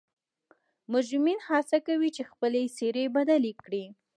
مجرمین حڅه کوي چې خپلې څیرې بدلې کړي